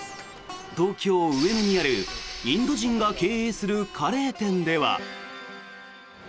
東京・上野にあるインド人が経営するカレー店では。